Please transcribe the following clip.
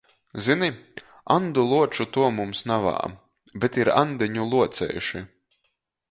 Zini — Andu luoču to mums navā, bet ir Aņdeņu luoceiši!